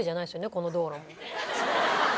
この道路も。